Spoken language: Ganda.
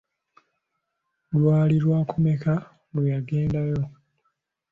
Lwali lwakumeka lwe yagendayo?